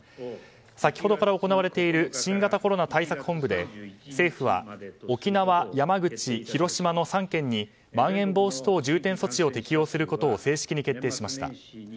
先ほどから行われている新型コロナ対策本部で政府は沖縄、山口、広島の３県にまん延防止等重点措置を適用することを正式に決定しました。